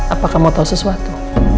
apa kamu tau sesuatu